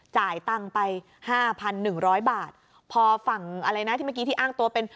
จ่ายตังไป๕๑๐๐บาทพอฝั่งอะไรนะที่เมื่อกี้ที่อ้างตัวเป็น